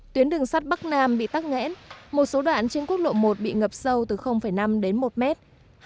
tuyến đường sắt bắc nam bị tắc nghẽn một số đoạn trên quốc lộ một bị ngập sâu từ năm đến một mét